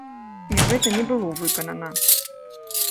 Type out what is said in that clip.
І гэта не было выканана.